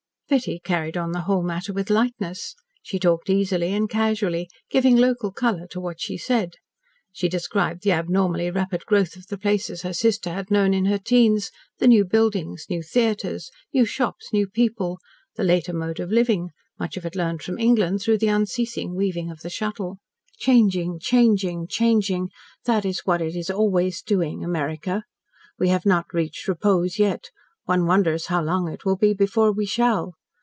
Betty carried on the whole matter with lightness. She talked easily and casually, giving local colour to what she said. She described the abnormally rapid growth of the places her sister had known in her teens, the new buildings, new theatres, new shops, new people, the later mode of living, much of it learned from England, through the unceasing weaving of the Shuttle. "Changing changing changing. That is what it is always doing America. We have not reached repose yet. One wonders how long it will be before we shall.